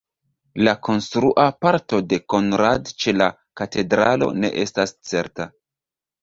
La konstrua parto de Konrad ĉe la katedralo ne estas certa.